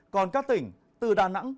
còn các tỉnh từ đà nẵng